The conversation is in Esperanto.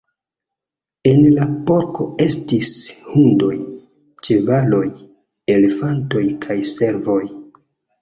En la parko estis hundoj, ĉevaloj, elefantoj kaj servoj.